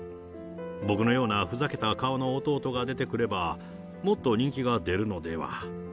僕のようなふざけた顔の弟が出てくれば、もっと人気が出るのでは。